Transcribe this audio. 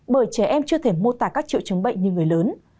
bởi trẻ em chưa thể mô tả các triệu chứng bệnh như người lớn